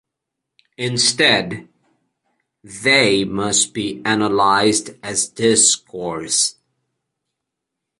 Instead they must be analyzed as discourse.